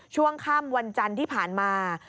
ช่วงค่ำวันจันทร์ที่ผ่านมา